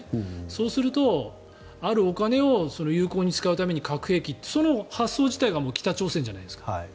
そうするとあるお金を有効に使うために核兵器ってその発想自体がもう北朝鮮じゃないですか。